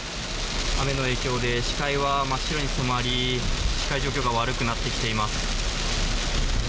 雨の影響で視界は真っ白に染まり視界状況が悪くなってきています。